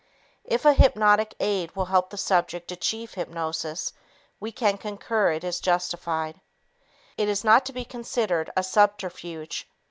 If a hypnotic aid will help the subject achieve hypnosis, we can concur it is justified. It is not to be considered a subterfuge.